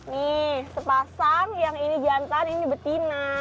nih sepasang yang ini jantan ini betina